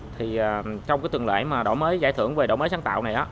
thì trong cái tuần lễ mà đổ mới giải thưởng về đổ mới sáng tạo này